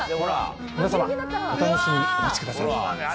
皆さまお楽しみにお待ちください。